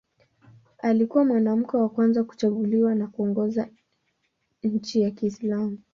Alikuwa mwanamke wa kwanza kuchaguliwa na kuongoza nchi ya Kiislamu.